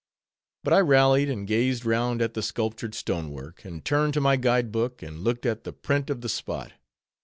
But I rallied, and gazed round at the sculptured stonework, and turned to my guide book, and looked at the print of the spot.